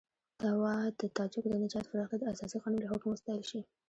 ته وا د تاجکو د نجات فرښته د اساسي قانون له حکم وستایل شي.